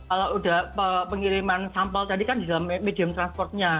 ada pengiriman sampel tadi kan di dalam medium transportnya